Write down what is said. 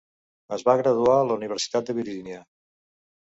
Es va graduar a la Universitat de Virginia.